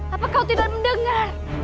apa kau tidak mendengar